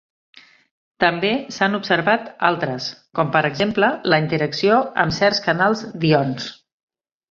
També s'han observat altres, com per exemple la interacció amb certs canals d'ions.